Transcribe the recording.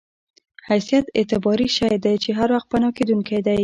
حیثیت اعتباري شی دی چې هر وخت پناه کېدونکی دی.